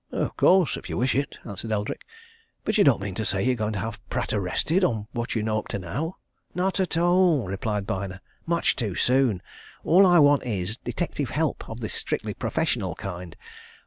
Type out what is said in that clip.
"Of course if you wish it," answered Eldrick. "But you don't mean to say you're going to have Pratt arrested on what you know up to now?" "Not at all!" replied Byner. "Much too soon! All I want is detective help of the strictly professional kind.